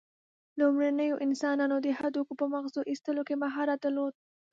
لومړنیو انسانانو د هډوکو په مغزو ایستلو کې مهارت درلود.